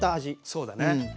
そうだね。